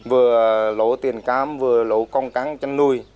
vừa lỗ tiền cám vừa lỗ con cắn chăn nuôi